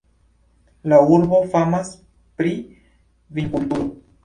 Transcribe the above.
La urbo famas pri vinkulturo.